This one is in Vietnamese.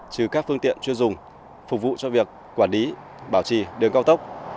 trừ các phương tiện chuyên dùng phục vụ cho việc quản lý bảo trì đường cao tốc